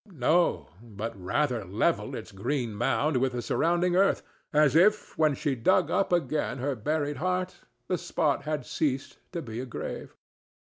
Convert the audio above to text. No, but rather level its green mound with the surrounding earth, as if, when she dug up again her buried heart, the spot had ceased to be a grave.